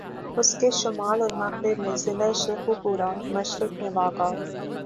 اسکے شمال اور مغرب میں ضلع شیخوپورہ، مشرق میں واہگہ